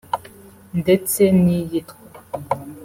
ndetse n’iyitwa